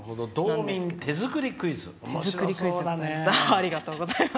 ありがとうございます。